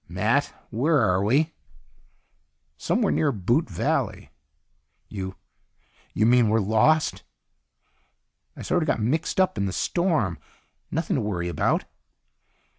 "Matt, where are we?" "Somewhere near Boot Valley." "You ... you mean we're lost?" "I sort of got mixed up in the storm. Nothing to worry about."